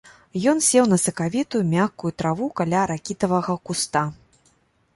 І ён сеў на сакавітую, мяккую траву каля ракітавага куста.